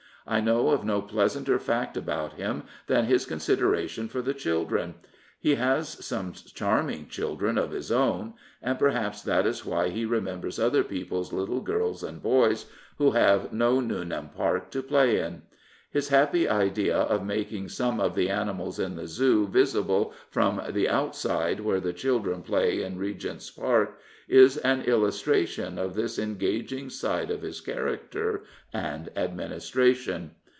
I know of no pleasanter fact about him than his con sideration for the children. He has some charming children of his own, and perhaps that is why he re members other people's little girls and boys who have no Nuneham Park to play in. His happy idea of making some of the animads in the Zoo visible from the outside where the children play in Regent's Park is an illustration of this engaging side of his character and administration.